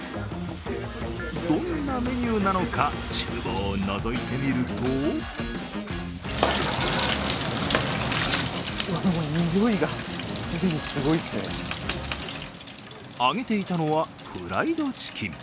どんなメニューなのかちゅう房をのぞいてみると揚げていたのはフライドチキン。